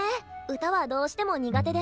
歌はどうしても苦手で。